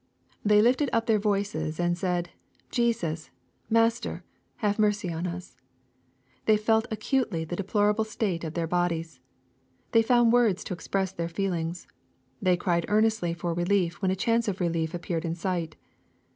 " They lifted up their voices 232 EXPOSITORY THOUGHTS. and said, Jesus, Master, have mercy on us/' They felt acutely the deplorable state of their bodies. They found words to express their feelings. They cried earnestly for relief when a chance of relief appeared in sight.